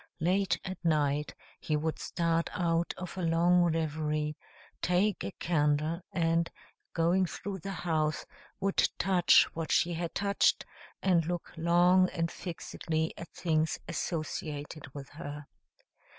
Late at night, he would start out of a long reverie, take a candle, and, going through the house, would touch what she had touched, and look long and fixedly at things associated with her.